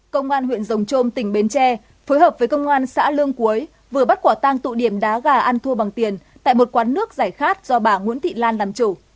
công an huyện rồng trôm tỉnh bến tre phối hợp với công an xã lương cuối vừa bắt quả tang tụ điểm đá gà ăn thua bằng tiền tại một quán nước giải khát do bà nguyễn thị lan làm chủ